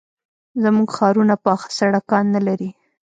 زموږ ښارونه پاخه سړکان نه لري.